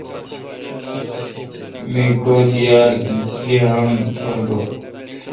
می گو دییال گییام پرگوئ۔